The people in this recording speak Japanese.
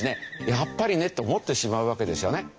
「やっぱりね」と思ってしまうわけですよね。